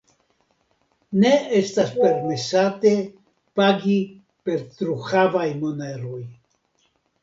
Ne estas permesate pagi per truhavaj moneroj.